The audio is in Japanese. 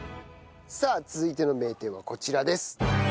さあ続いての名店はこちらです。